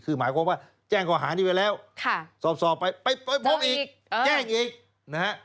คือหมายความว่าแจ้งข้อหานี้ไว้แล้วสอบไปไปพบอีกแจ้งอีกนะฮะ